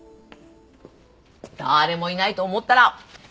誰もいないと思ったら。